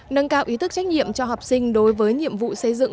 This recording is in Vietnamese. nâng cao ý thức trách nhiệm cho học sinh đối với nhiệm vụ xây dựng